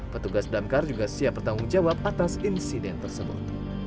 petugas damkar juga siap bertanggung jawab atas insiden tersebut